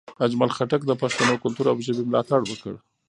اجمل خټک د پښتنو کلتور او ژبې ملاتړ وکړ.